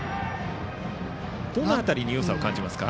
どの辺りによさを感じますか？